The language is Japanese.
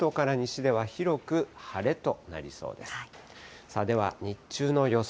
では、日中の予想